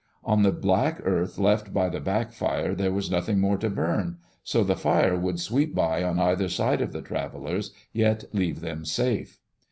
On the black earth left by the back fire there was nothing more to burn, so the fire would sweep by on either side of the travelers, yet leave them safe.